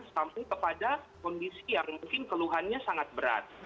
sampai kepada kondisi yang mungkin keluhannya sangat berat